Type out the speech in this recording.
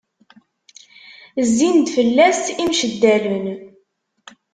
Zzin-d fell-as imceddalen.